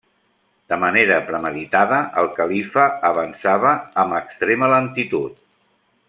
De manera premeditada el califa avançava amb extrema lentitud.